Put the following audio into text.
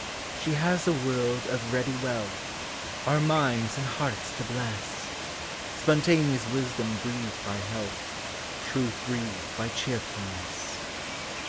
She has a world of ready wealth, Our minds and hearts to bless, — Spontaneous wisdom breathed by health, Truth breathed by cheerfulness.